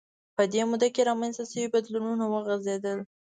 په دې موده کې رامنځته شوي بدلونونه وغځېدل